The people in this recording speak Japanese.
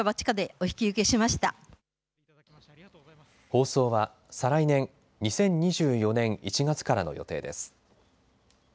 放送は再来年２０２４年１月からの予定です。